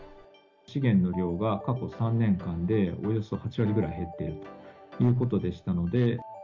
資源の量が過去３年間で、およそ８割ぐらい減っているということでしたので。